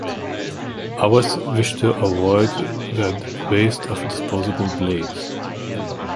Others wish to avoid the waste of disposable blades.